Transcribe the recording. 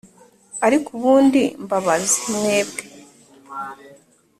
ariko ubundi mbabaze mwebwe